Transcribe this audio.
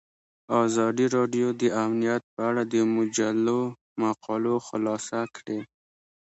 ازادي راډیو د امنیت په اړه د مجلو مقالو خلاصه کړې.